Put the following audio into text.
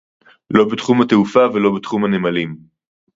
לא בתחום התעופה, לא בתחום הנמלים